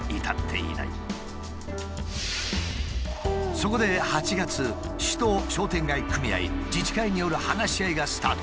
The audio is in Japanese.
そこで８月市と商店街組合自治会による話し合いがスタート。